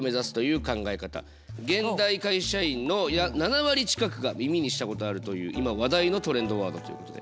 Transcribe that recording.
現代会社員の７割近くが耳にしたことあるという今話題のトレンドワードということで。